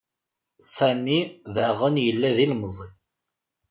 Sami daɣen yella d ilemẓi.